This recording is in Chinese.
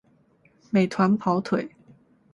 美团跑腿